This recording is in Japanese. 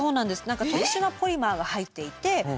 何か特殊なポリマーが入っていて。